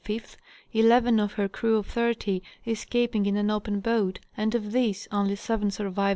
5th, eleven of her crew of thirty escaping in an open boat, and of these only seven surviv The Law of Storms.